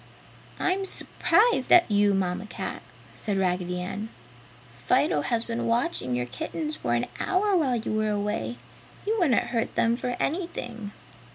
"I'm s'prised at you, Mamma Cat!" said Raggedy Ann, "Fido has been watching your kittens for an hour while you were away. He wouldn't hurt them for anything!"